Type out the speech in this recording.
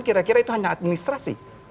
kira kira itu hanya administrasi